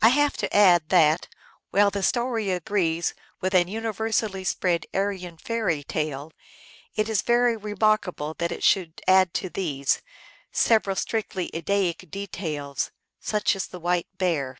I have to add that, while the story agrees with an universally spread Aryan fairy tale, it is very remark able that it should add to these, several strictly Ed daic details, such as the white bear.